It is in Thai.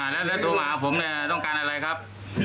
แล้วโทรมากับผมเนี่ยต้องการอะไรครับ